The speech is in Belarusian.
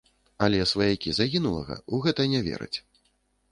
Але сваякі загінулага ў гэта не вераць.